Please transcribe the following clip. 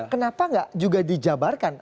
kenapa nggak juga dijabarkan